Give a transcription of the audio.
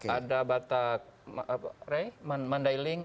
ada batak rai mandailing